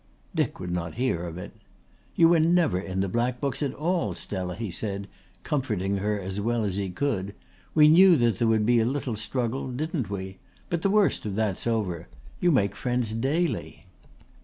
Dick would not hear of it. "You were never in the black books at all, Stella," he said, comforting her as well as he could. "We knew that there would be a little struggle, didn't we? But the worst of that's over. You make friends daily."